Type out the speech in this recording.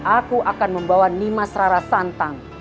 aku akan membawa nimas rara santang